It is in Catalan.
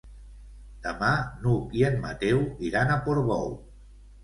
Demà n'Hug i en Mateu iran a Portbou.